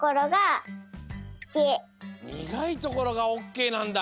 にがいところがオッケーなんだ。